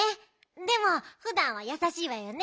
でもふだんはやさしいわよね。